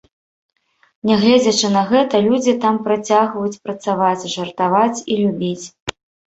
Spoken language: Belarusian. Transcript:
Нягледзячы на гэта, людзі там працягваюць працаваць, жартаваць і любіць.